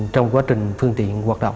trong quá trình phương tiện hoạt động